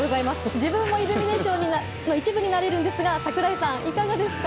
自分もイルミネーションの一部になれるのですが櫻井さん、どうですか？